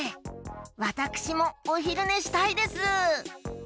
わたくしもおひるねしたいです。